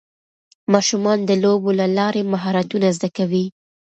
ماشومان د لوبو له لارې مهارتونه زده کوي